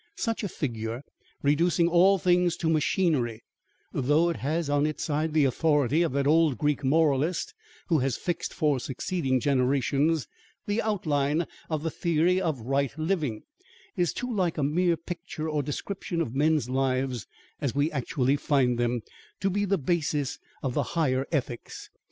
Such a figure, reducing all things to machinery, though it has on its side the authority of that old Greek moralist who has fixed for succeeding generations the outline of the theory of right living, is too like a mere picture or description of men's lives as we actually find them, to be the basis of the higher ethics.